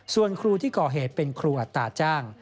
ส่วนครูที่ก่อเหตุเป็นครูอัตราจ้าง